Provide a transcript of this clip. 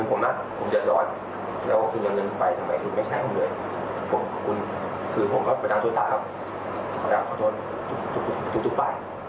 ผมขอบคุณคือผมก็ไปดังโทษศัพท์แล้วขอโทษทุกไป